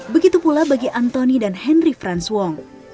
begitu pula bagi anthony dan henry frans wong